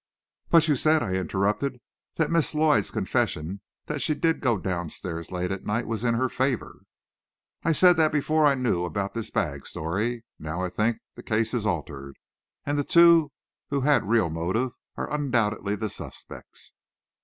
"But you said," I interrupted, "that Miss Lloyd's confession that she did go down stairs late at night was in her favor." "I said that before I knew about this bag story. Now I think the case is altered, and the two who had real motive are undoubtedly the suspects."